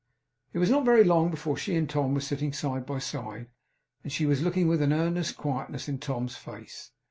It was not very long before she and Tom were sitting side by side, and she was looking with an earnest quietness in Tom's face.